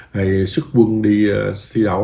hay sức quân đi thi đấu